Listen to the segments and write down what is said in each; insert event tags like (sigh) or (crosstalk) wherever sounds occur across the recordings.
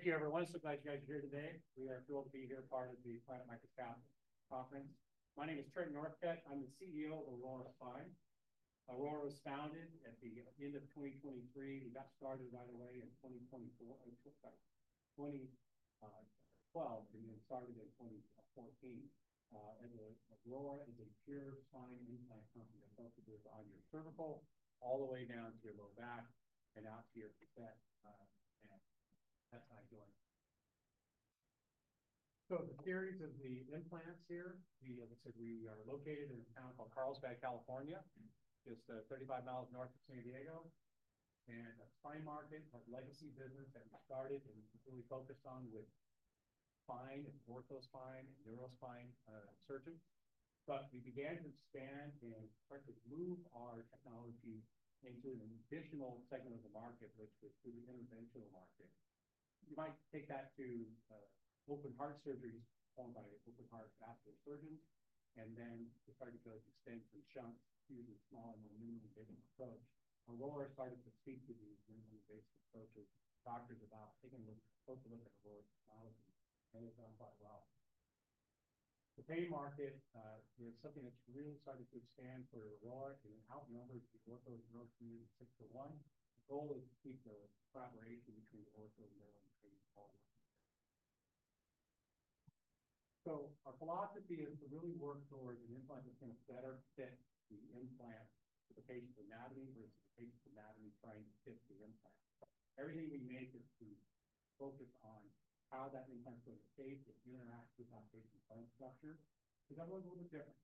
Thank you, everyone. So glad you guys are here today. We are thrilled to be here as part of the Planet MicroCap Conference. My name is Trent Northcutt. I'm the CEO of Aurora Spine. Aurora was founded at the end of 2023. We got started, by the way, in 2012, and then started in 2014. Aurora is a pure spine implant company. I felt it was on your cervical all the way down to your low back and out to your [facet] and that side joint. The theories of the implants here, like I said, we are located in a town called Carlsbad, California, just 35 mi north of San Diego. Spine Market, our legacy business that we started and really focused on with spine and ortho spine and neuro spine surgery. We began to expand and start to move our technology into an additional segment of the market, which was through the interventional market. You might take that to open heart surgeries performed by open heart vascular surgeons. Then we started to extend from shunts to the small and more minimally invasive approach. Aurora started to speak to these minimally invasive approaches to doctors about taking a closer look at Aurora's technology. It's done quite well. The pain market, we have something that's really started to expand for Aurora in and outnumber to the [ortho neuro] community [6] to 1. The goal is to keep the collaboration between the ortho and neuro community all the way. Our philosophy is to really work towards an implant that's going to better fit the implant to the patient's anatomy versus the patient's anatomy trying to fit the implant. Everything we make is to focus on how that implant's going to fit and interact with that patient's bone structure. It's always a little bit different.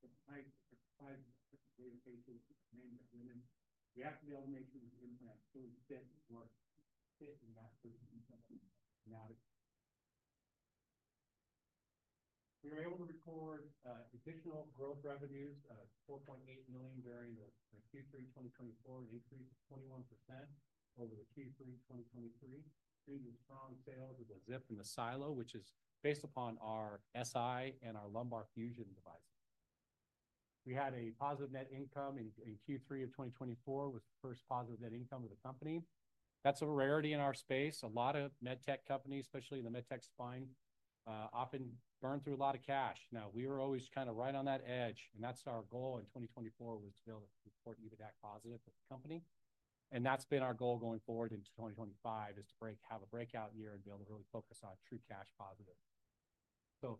Different types, different sizes, different weight of patients, different names of women. We have to be able to make sure the implant truly fits and works, fits in that person's anatomy. We were able to record additional growth revenues, $4.8 million during Q3 2024, an increase of 21% over Q3 2023 due to strong sales of the ZIP and the SiLO, which is based upon our SI and our lumbar fusion devices. We had a positive net income in Q3 of 2024, which was the first positive net income of the company. That's a rarity in our space. A lot of med tech companies, especially in the med tech spine, often burn through a lot of cash. Now, we were always kind of right on that edge. That is our goal in 2024, to be able to report EBITDA positive for the company. That has been our goal going forward into 2025, to have a breakout year and be able to really focus on true cash positive.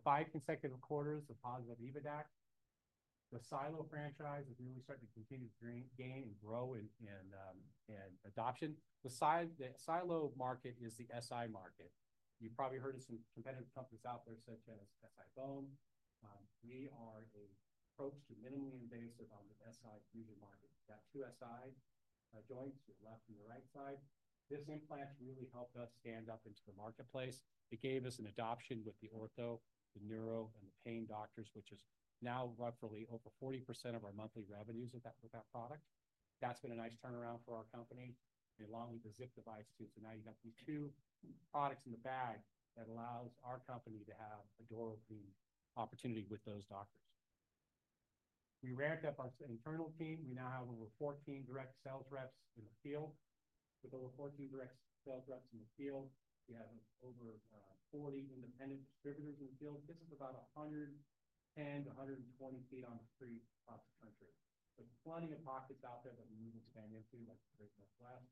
Five consecutive quarters of positive EBITDA. The SiLO franchise is really starting to continue to gain and grow in adoption. The SiLO market is the SI market. You've probably heard of some competitive companies out there such as SI-BONE. We are an approach to minimally invasive on the SI fusion market. We've got two SI joints to the left and the right side. This implant really helped us stand up into the marketplace. It gave us an adoption with the ortho, the neuro, and the pain doctors, which is now roughly over 40% of our monthly revenues with that product. That's been a nice turnaround for our company. Along with the ZIP device too, now you've got these two products in the bag that allows our company to have a door-opening opportunity with those doctors. We ramped up our internal team. We now have over 14 direct sales reps in the field. With over 14 direct sales reps in the field, we have over 40 independent distributors in the field. This is about 110 feet-120 feet on the street across the country. There's plenty of pockets out there that we need to expand into, like the Great Northwest,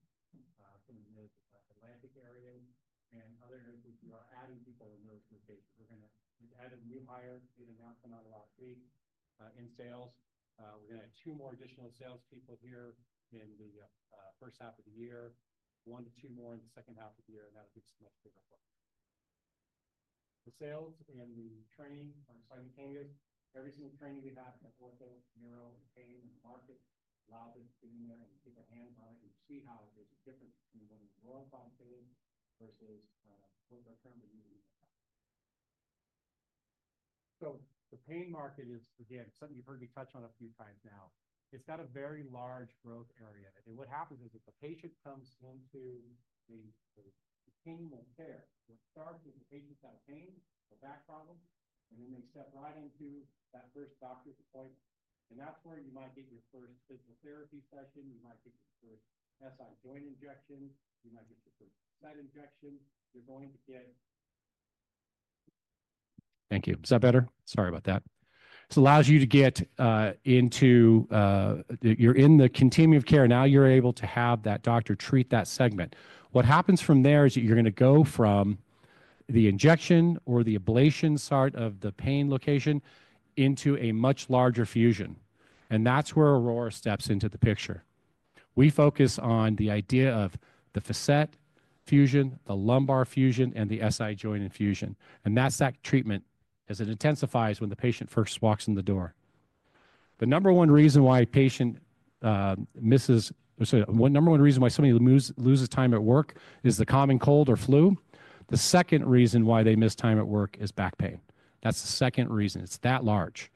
some of the Atlantic areas, and other areas where we are adding people in those locations. We're going to add a new hire. We had an announcement on it last week in sales. We're going to add two more additional salespeople here in the first half of the year, one to two more in the second half of the year, and that'll be just much bigger for us. The sales and the training are simultaneous. Every single training we have in the ortho, neuro, and pain market allows us to be in there and get their hands on it and see how it is different from what (audio distortion) versus what we're currently using in the company. The pain market is, again, something you've heard me touch on a few times now. It's got a very large growth area. What happens is if a patient comes into the pain care where it starts with a patient's kind of pain, a back problem, and then they step right into that first doctor's appointment. That's where you might get your first physical therapy session. You might get your first SI joint injection. You might get your first facet injection. You're going to get. Thank you. Is that better? Sorry about that. This allows you to get into, you're in the continuum of care. Now you're able to have that doctor treat that segment. What happens from there is that you're going to go from the injection or the ablation start of the pain location into a much larger fusion. That is where Aurora steps into the picture. We focus on the idea of the facet fusion, the lumbar fusion, and the SI joint infusion. That is that treatment as it intensifies when the patient first walks in the door. The number one reason why a patient misses—sorry, number one reason why somebody loses time at work is the common cold or flu. The second reason why they miss time at work is back pain. That is the second reason. It is that large.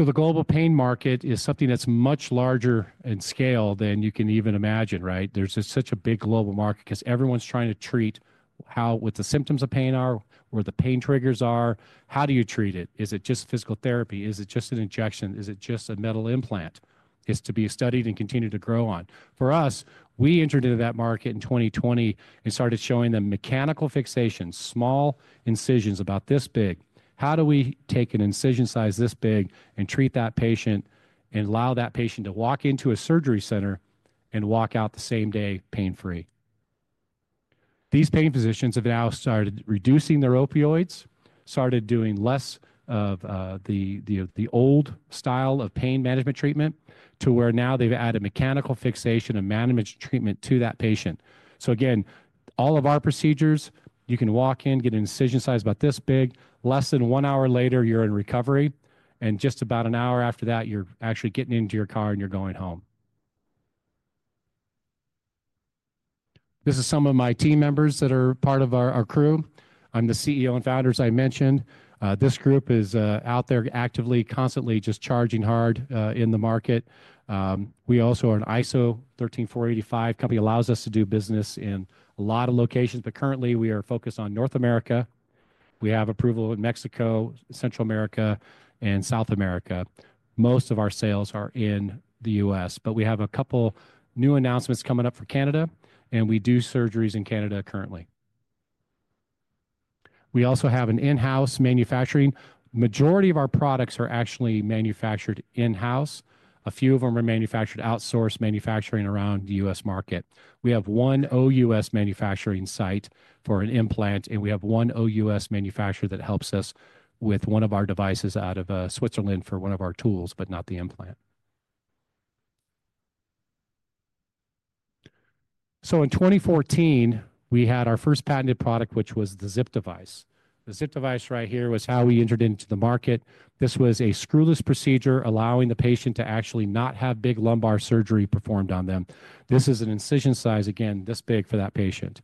The global pain market is something that's much larger in scale than you can even imagine, right? There's just such a big global market because everyone's trying to treat how the symptoms of pain are, where the pain triggers are. How do you treat it? Is it just physical therapy? Is it just an injection? Is it just a metal implant? It's to be studied and continue to grow on. For us, we entered into that market in 2020 and started showing them mechanical fixations, small incisions about this big. How do we take an incision size this big and treat that patient and allow that patient to walk into a surgery center and walk out the same day pain-free? These pain physicians have now started reducing their opioids, started doing less of the old style of pain management treatment to where now they've added mechanical fixation and management treatment to that patient. Again, all of our procedures, you can walk in, get an incision size about this big. Less than one hour later, you're in recovery. Just about an hour after that, you're actually getting into your car and you're going home. This is some of my team members that are part of our crew. I'm the CEO and founder, as I mentioned. This group is out there actively, constantly just charging hard in the market. We also are an ISO 13485 company. It allows us to do business in a lot of locations, but currently we are focused on North America. We have approval in Mexico, Central America, and South America. Most of our sales are in the U.S., but we have a couple new announcements coming up for Canada, and we do surgeries in Canada currently. We also have in-house manufacturing. The majority of our products are actually manufactured in-house. A few of them are manufactured outsourced, manufacturing around the U.S. market. We have one OUS manufacturing site for an implant, and we have one OUS manufacturer that helps us with one of our devices out of Switzerland for one of our tools, but not the implant. In 2014, we had our first patented product, which was the ZIP device. The ZIP device right here was how we entered into the market. This was a screwless procedure, allowing the patient to actually not have big lumbar surgery performed on them. This is an incision size, again, this big for that patient.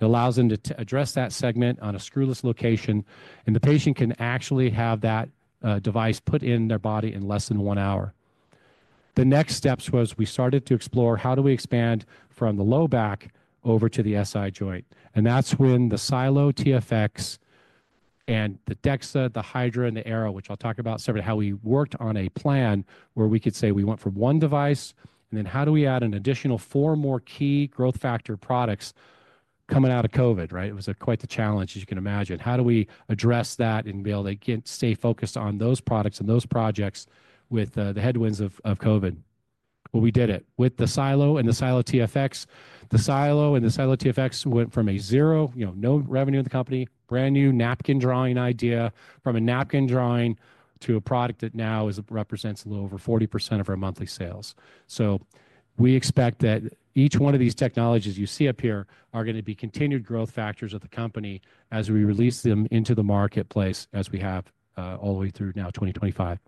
It allows them to address that segment on a screwless location, and the patient can actually have that device put in their body in less than one hour. The next steps was we started to explore how do we expand from the low back over to the SI joint. That is when the SiLO TFX and the DEXA, the Hydra, and the AERO, which I will talk about separately, how we worked on a plan where we could say we went from one device and then how do we add an additional four more key growth factor products coming out of COVID, right? It was quite the challenge, as you can imagine. How do we address that and be able to stay focused on those products and those projects with the headwinds of COVID? We did it with the SiLO and the SiLO TFX. The SiLO and the SiLO TFX went from zero, no revenue in the company, brand new napkin drawing idea from a napkin drawing to a product that now represents a little over 40% of our monthly sales. We expect that each one of these technologies you see up here are going to be continued growth factors of the company as we release them into the marketplace as we have all the way through now 2025.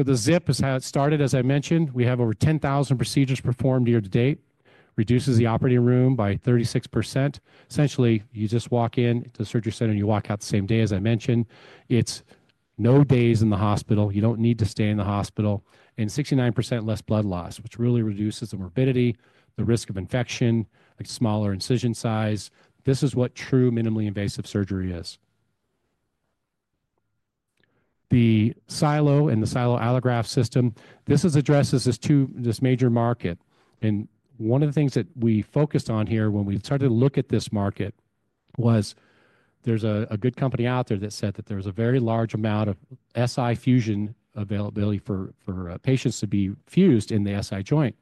The ZIP has started, as I mentioned. We have over 10,000 procedures performed year to date. It reduces the operating room by 36%. Essentially, you just walk into the surgery center and you walk out the same day, as I mentioned. It's no days in the hospital. You don't need to stay in the hospital. is 69% less blood loss, which really reduces the morbidity, the risk of infection, a smaller incision size. This is what true minimally invasive surgery is. The SiLO and the SiLO allograft system, this addresses this major market. One of the things that we focused on here when we started to look at this market was there's a good company out there that said that there was a very large amount of SI fusion availability for patients to be fused in the SI joint.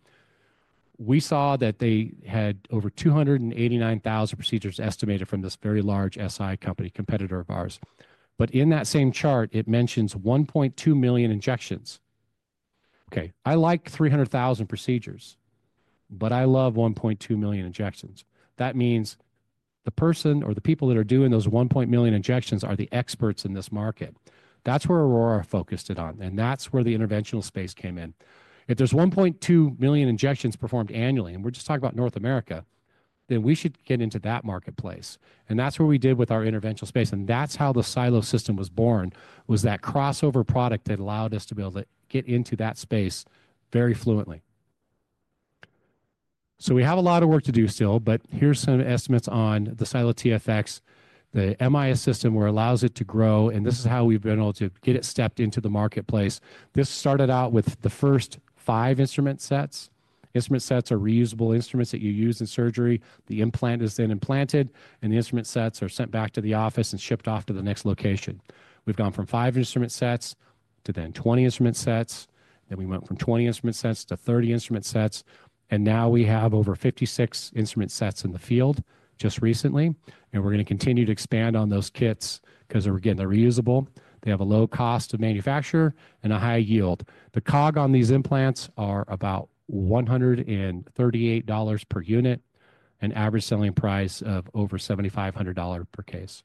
We saw that they had over 289,000 procedures estimated from this very large SI company, competitor of ours. In that same chart, it mentions 1.2 million injections. Okay, I like 300,000 procedures, but I love 1.2 million injections. That means the person or the people that are doing those 1.1 million injections are the experts in this market. That's where Aurora focused it on, and that's where the interventional space came in. If there's 1.2 million injections performed annually, and we're just talking about North America, we should get into that marketplace. That's what we did with our interventional space. That's how the SiLO system was born, that crossover product that allowed us to be able to get into that space very fluently. We have a lot of work to do still, but here's some estimates on the SiLO TFX, the MIS system where it allows it to grow, and this is how we've been able to get it stepped into the marketplace. This started out with the first five instrument sets. Instrument sets are reusable instruments that you use in surgery. The implant is then implanted, and the instrument sets are sent back to the office and shipped off to the next location. We have gone from five instrument sets to 20 instrument sets. We went from 20 instrument sets to 30 instrument sets. Now we have over 56 instrument sets in the field just recently. We are going to continue to expand on those kits because, again, they are reusable. They have a low cost of manufacture and a high yield. The COG on these implants are about $138 per unit, an average selling price of over $7,500 per case.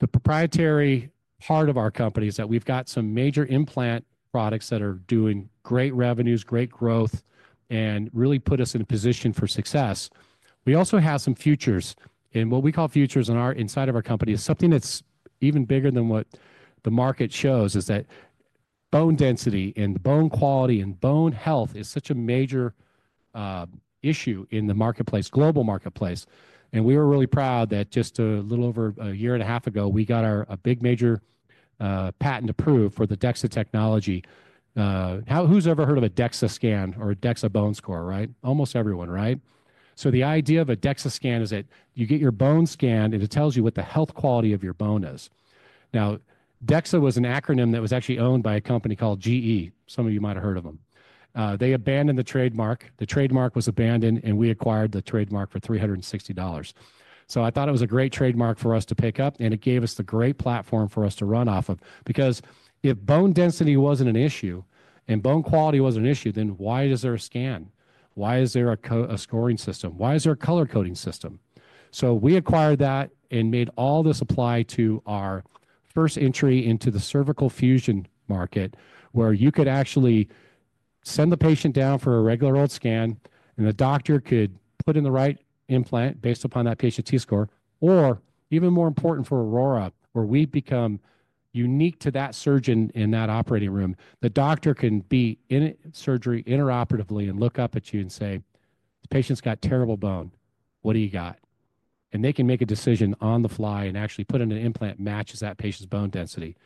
The proprietary part of our company is that we have got some major implant products that are doing great revenues, great growth, and really put us in a position for success. We also have some futures. What we call futures inside of our company is something that's even bigger than what the market shows is that bone density and bone quality and bone health is such a major issue in the marketplace, global marketplace. We were really proud that just a little over a year and a half ago, we got a big major patent approved for the DEXA Technology. Who's ever heard of a DEXA scan or a DEXA bone score, right? Almost everyone, right? The idea of a DEXA scan is that you get your bone scanned, and it tells you what the health quality of your bone is. Now, DEXA was an acronym that was actually owned by a company called GE. Some of you might have heard of them. They abandoned the trademark. The trademark was abandoned, and we acquired the trademark for $360. I thought it was a great trademark for us to pick up, and it gave us the great platform for us to run off of. Because if bone density wasn't an issue and bone quality wasn't an issue, then why is there a scan? Why is there a scoring system? Why is there a color-coding system? We acquired that and made all this apply to our first entry into the cervical fusion market, where you could actually send the patient down for a regular old scan, and the doctor could put in the right implant based upon that patient's T-score, or even more important for Aurora, where we become unique to that surgeon in that operating room. The doctor can be in surgery interoperatively and look up at you and say, "The patient's got terrible bone. What do you got? And they can make a decision on the fly and actually put in an implant that matches that patient's bone density.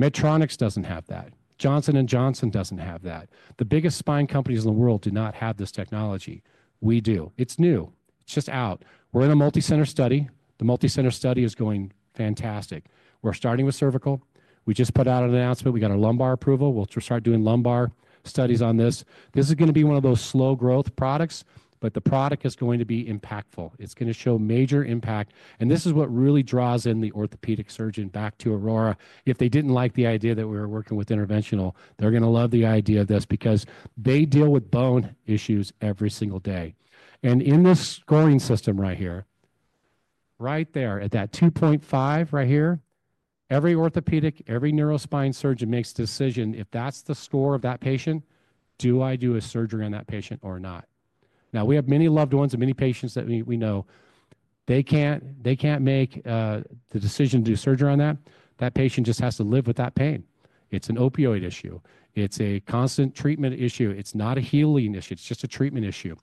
Medtronic doesn't have that. Johnson & Johnson doesn't have that. The biggest spine companies in the world do not have this technology. We do. It's new. It's just out. We're in a multicenter study. The multicenter study is going fantastic. We're starting with cervical. We just put out an announcement. We got our lumbar approval. We'll start doing lumbar studies on this. This is going to be one of those slow growth products, but the product is going to be impactful. It's going to show major impact. This is what really draws in the orthopedic surgeon back to Aurora. If they didn't like the idea that we were working with interventional, they're going to love the idea of this because they deal with bone issues every single day. In this scoring system right here, right there at that 2.5 right here, every orthopedic, every neurospine surgeon makes a decision. If that's the score of that patient, do I do a surgery on that patient or not? Now, we have many loved ones and many patients that we know. They can't make the decision to do surgery on that. That patient just has to live with that pain. It's an opioid issue. It's a constant treatment issue. It's not a healing issue. It's just a treatment issue.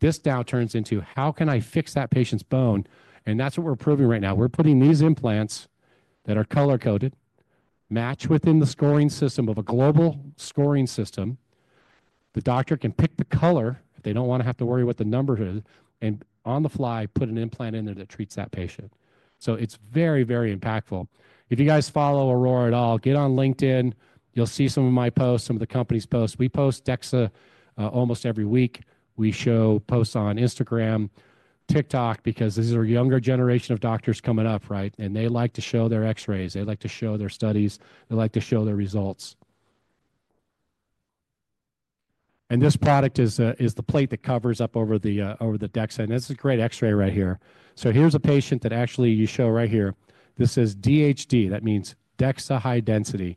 This now turns into, how can I fix that patient's bone? And that's what we're proving right now. We're putting these implants that are color-coded, match within the scoring system of a global scoring system. The doctor can pick the color if they don't want to have to worry what the number is, and on the fly, put an implant in there that treats that patient. It is very, very impactful. If you guys follow Aurora at all, get on LinkedIn. You'll see some of my posts, some of the company's posts. We post DEXA almost every week. We show posts on Instagram, TikTok, because these are a younger generation of doctors coming up, right? They like to show their X-rays. They like to show their studies. They like to show their results. This product is the plate that covers up over the DEXA. This is a great X-ray right here. Here is a patient that actually you show right here. This is DHD. That means DEXA high density.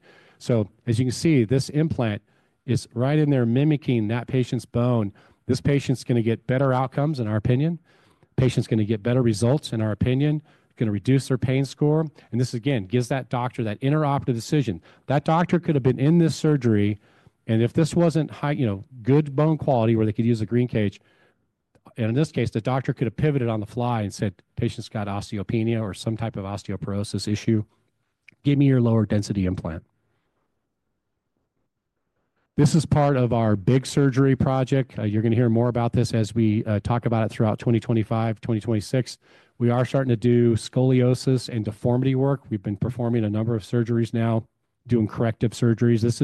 As you can see, this implant is right in there mimicking that patient's bone. This patient's going to get better outcomes, in our opinion. The patient's going to get better results, in our opinion. It's going to reduce their pain score. This, again, gives that doctor that interoperative decision. That doctor could have been in this surgery, and if this wasn't good bone quality where they could use a green cage, in this case, the doctor could have pivoted on the fly and said, "Patient's got osteopenia or some type of osteoporosis issue. Give me your lower density implant." This is part of our big surgery project. You're going to hear more about this as we talk about it throughout 2025, 2026. We are starting to do scoliosis and deformity work. We've been performing a number of surgeries now, doing corrective surgeries. This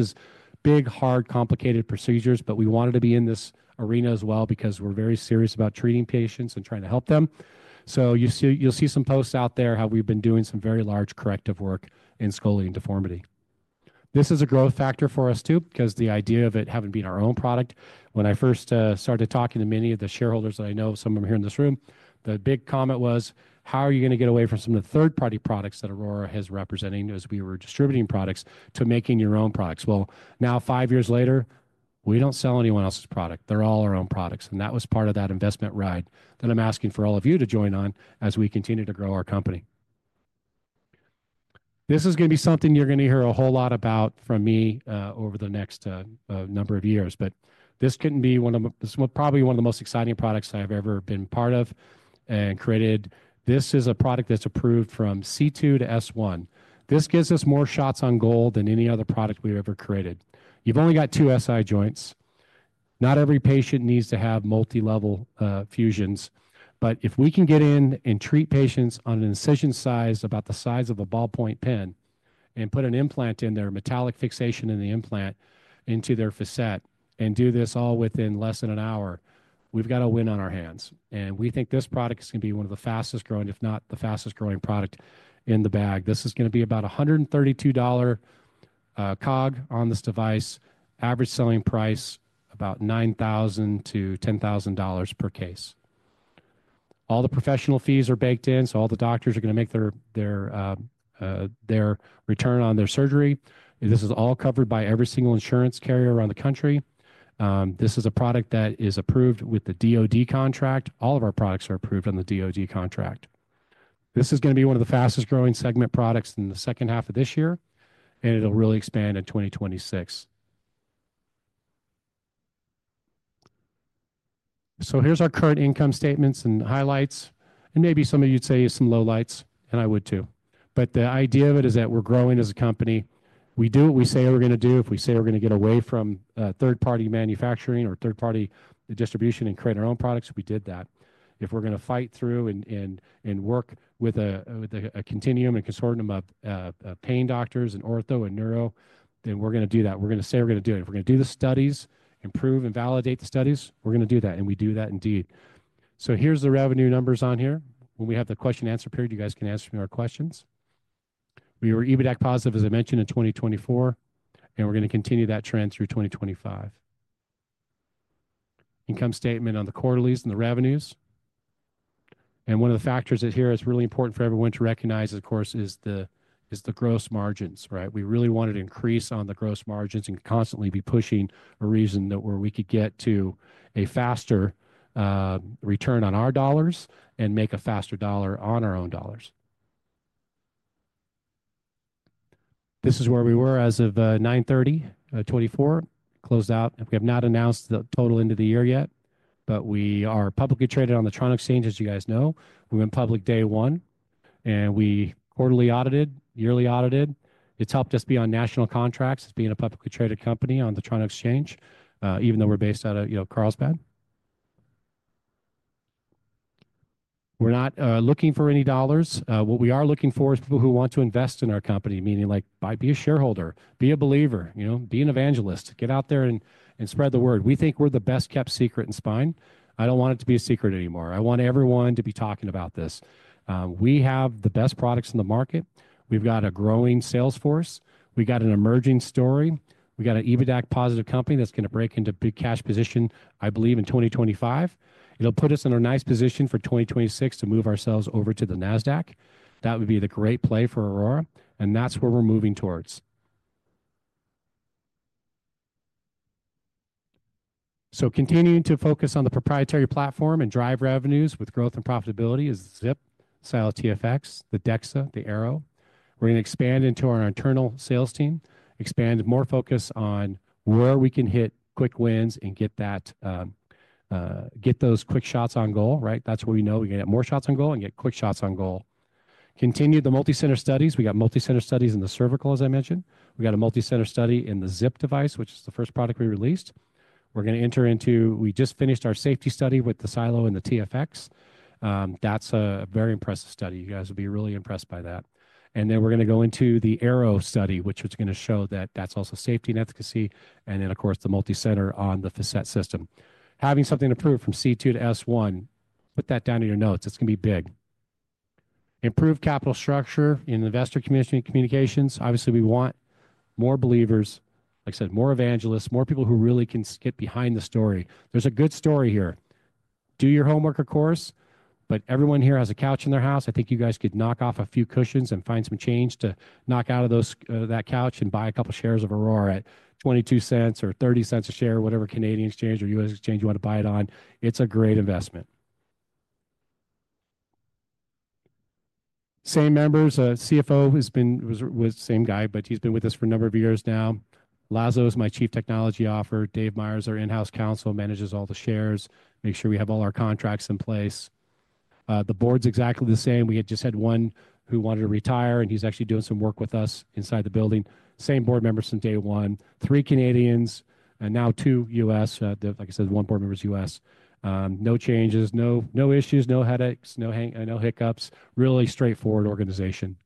is big, hard, complicated procedures, but we wanted to be in this arena as well because we're very serious about treating patients and trying to help them. You will see some posts out there how we've been doing some very large corrective work in scoli and deformity. This is a growth factor for us too because the idea of it having been our own product. When I first started talking to many of the shareholders that I know, some of them here in this room, the big comment was, "How are you going to get away from some of the third-party products that Aurora is representing as we were distributing products to making your own products?" Now, five years later, we don't sell anyone else's product. They're all our own products. That was part of that investment ride that I'm asking for all of you to join on as we continue to grow our company. This is going to be something you're going to hear a whole lot about from me over the next number of years, but this can be one of probably one of the most exciting products I have ever been part of and created. This is a product that's approved from C2 to S1. This gives us more shots on goal than any other product we've ever created. You've only got two SI joints. Not every patient needs to have multi-level fusions, but if we can get in and treat patients on an incision size about the size of a ballpoint pen and put an implant in their metallic fixation in the implant into their facet and do this all within less than an hour, we've got a win on our hands. We think this product is going to be one of the fastest growing, if not the fastest growing product in the bag. This is going to be about $132 COG on this device, average selling price about $9,000-$10,000 per case. All the professional fees are baked in, so all the doctors are going to make their return on their surgery. This is all covered by every single insurance carrier around the country. This is a product that is approved with the DOD contract. All of our products are approved on the DOD contract. This is going to be one of the fastest growing segment products in the second half of this year, and it'll really expand in 2026. Here is our current income statements and highlights. Maybe some of you would say some lowlights, and I would too. The idea of it is that we're growing as a company. We do what we say we're going to do. If we say we're going to get away from third-party manufacturing or third-party distribution and create our own products, we did that. If we're going to fight through and work with a continuum and consortium of pain doctors and ortho and neuro, then we're going to do that. We're going to say we're going to do it. If we're going to do the studies, improve and validate the studies, we're going to do that. We do that indeed. Here are the revenue numbers on here. When we have the question-and-answer period, you guys can answer some of our questions. We were EBITDA positive, as I mentioned, in 2024, and we're going to continue that trend through 2025. Income statement on the quarterlies and the revenues. One of the factors that here is really important for everyone to recognize, of course, is the gross margins, right? We really wanted to increase on the gross margins and constantly be pushing a reason where we could get to a faster return on our dollars and make a faster dollar on our own dollars. This is where we were as of 9/30/2024, closed out. We have not announced the total end of the year yet, but we are publicly traded on the [Toronto Stock Exchange], as you guys know. We went public day one, and we quarterly audited, yearly audited. It's helped us be on national contracts as being a publicly traded company on the [Toronto Stock Exchange], even though we're based out of Carlsbad. We're not looking for any dollars. What we are looking for is people who want to invest in our company, meaning like be a shareholder, be a believer, be an evangelist, get out there and spread the word. We think we're the best-kept secret in spine. I don't want it to be a secret anymore. I want everyone to be talking about this. We have the best products in the market. We've got a growing sales force. We've got an emerging story. We've got an EBITDA positive company that's going to break into big cash position, I believe, in 2025. It'll put us in a nice position for 2026 to move ourselves over to the NASDAQ. That would be the great play for Aurora Spine, and that's where we're moving towards. Continuing to focus on the proprietary platform and drive revenues with growth and profitability is ZIP, SiLO TFX, the DEXA, the AERO. We're going to expand into our internal sales team, expand more focus on where we can hit quick wins and get those quick shots on goal, right? That's where we know we can get more shots on goal and get quick shots on goal. Continue the multicenter studies. We got multicenter studies in the cervical, as I mentioned. We got a multicenter study in the ZIP device, which is the first product we released. We're going to enter into we just finished our safety study with the SiLO and the TFX. That's a very impressive study. You guys will be really impressed by that. We're going to go into the AERO study, which is going to show that that's also safety and efficacy. Of course, the multicenter on the facet system. Having something approved from C2 to S1, put that down in your notes. It's going to be big. Improve capital structure in investor communications. Obviously, we want more believers, like I said, more evangelists, more people who really can get behind the story. There's a good story here. Do your homework, of course, but everyone here has a couch in their house. I think you guys could knock off a few cushions and find some change to knock out of that couch and buy a couple of shares of Aurora at 0.22 or 0.30 a share, whatever Canadian exchange or U.S. exchange you want to buy it on. It's a great investment. Same members. CFO has been with the same guy, but he's been with us for a number of years now. Laszlo is my Chief Technology Officer. Dave Myers is our in-house counsel, manages all the shares, makes sure we have all our contracts in place. The board's exactly the same. We just had one who wanted to retire, and he's actually doing some work with us inside the building. Same board members since day one. Three Canadians and now two U.S. Like I said, one board member is U.S. No changes, no issues, no headaches, no hiccups. Really straightforward organization.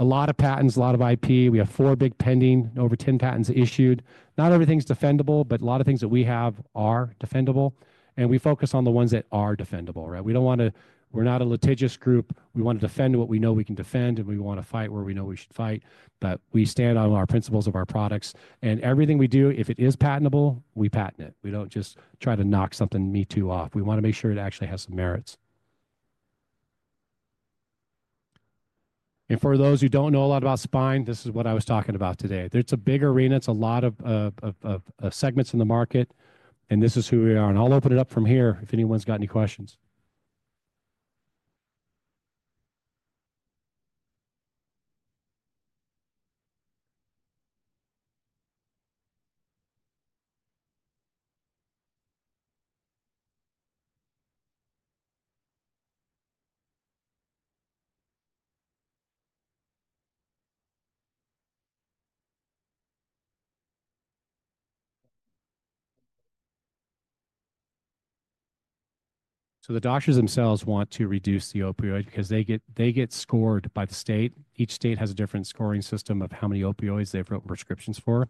A lot of patents, a lot of IP. We have four big pending, over 10 patents issued. Not everything's defendable, but a lot of things that we have are defendable. We focus on the ones that are defendable, right? We don't want to—we're not a litigious group. We want to defend what we know we can defend, and we want to fight where we know we should fight. We stand on our principles of our products. Everything we do, if it is patentable, we patent it. We don't just try to knock something me too off. We want to make sure it actually has some merits. For those who don't know a lot about spine, this is what I was talking about today. It's a big arena. It's a lot of segments in the market. This is who we are. I'll open it up from here if anyone's got any questions. The doctors themselves want to reduce the opioids because they get scored by the state. Each state has a different scoring system of how many opioids they've written prescriptions for.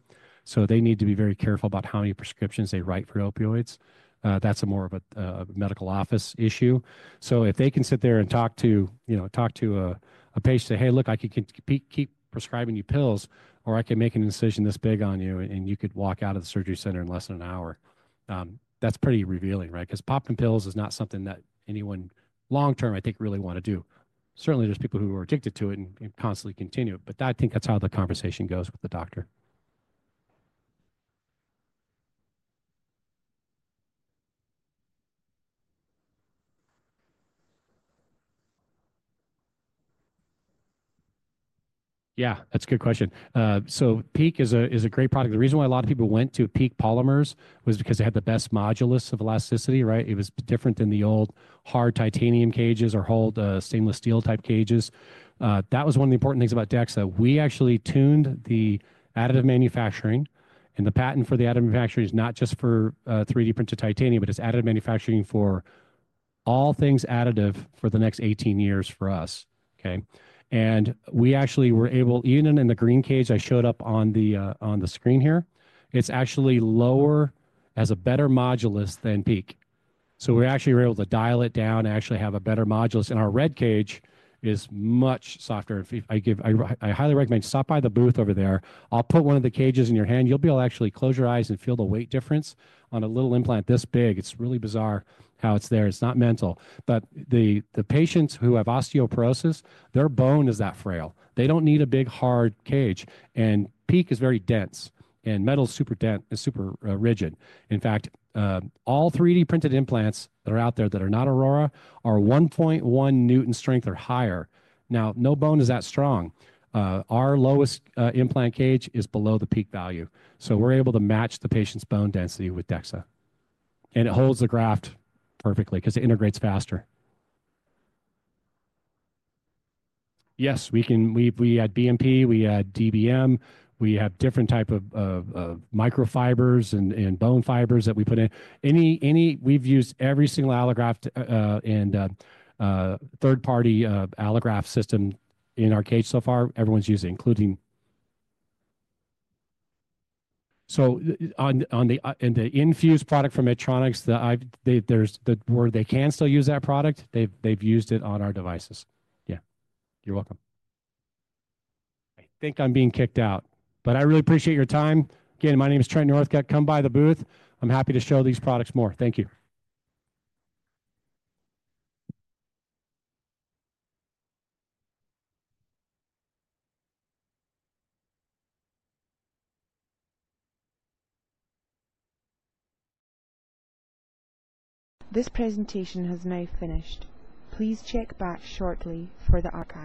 They need to be very careful about how many prescriptions they write for opioids. That's more of a medical office issue. If they can sit there and talk to a patient and say, "Hey, look, I can keep prescribing you pills, or I can make an incision this big on you, and you could walk out of the surgery center in less than an hour." That's pretty revealing, right? Because popping pills is not something that anyone, long term, I think, really want to do. Certainly, there's people who are addicted to it and constantly continue it. I think that's how the conversation goes with the doctor. Yeah, that's a good question. PEEK is a great product. The reason why a lot of people went to PEEK Polymers was because it had the best modulus of elasticity, right? It was different than the old hard titanium cages or old stainless steel type cages. That was one of the important things about DEXA that we actually tuned the additive manufacturing. The patent for the additive manufacturing is not just for 3D printed titanium, but it's additive manufacturing for all things additive for the next 18 years for us, okay? We actually were able, even in the green cage I showed up on the screen here, it's actually lower as a better modulus than PEEK. We actually were able to dial it down and actually have a better modulus. Our red cage is much softer. I highly recommend stop by the booth over there. I'll put one of the cages in your hand. You'll be able to actually close your eyes and feel the weight difference on a little implant this big. It's really bizarre how it's there. It's not mental. The patients who have osteoporosis, their bone is that frail. They don't need a big hard cage. PEEK is very dense. Metal is super dense and super rigid. In fact, all 3D printed implants that are out there that are not Aurora are 1.1 newton strength or higher. No bone is that strong. Our lowest implant cage is below the PEEK value. We're able to match the patient's bone density with DEXA. It holds the graft perfectly because it integrates faster. Yes, we add BMP. We add DBM. We have different types of microfibers and bone fibers that we put in. We've used every single allograft and third-party allograft system in our cage so far. Everyone's using, including. So in the Infuse product from Medtronic, where they can still use that product, they've used it on our devices. Yeah. You're welcome. I think I'm being kicked out, but I really appreciate your time. Again, my name is Trent Northcutt. Come by the booth. I'm happy to show these products more. Thank you. This presentation has now finished. Please check back shortly for the archive.